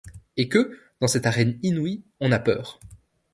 Et que, dans cette arène inouïe, on a peur